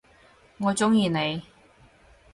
我中意你！